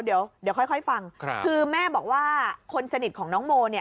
เดี๋ยวค่อยฟังคือแม่บอกว่าคนสนิทของน้องโมเนี่ย